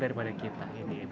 daripada kita ini